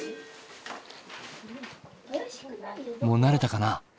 もう慣れたかな？